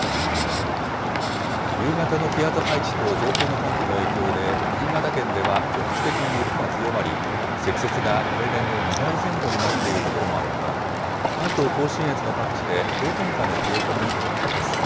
冬型の気圧配置と上空の寒気の影響で、新潟県では局地的に雪が強まり、積雪が平年の２倍前後になっている所もあるほか、関東甲信越の各地で氷点下の冷え込みになっています。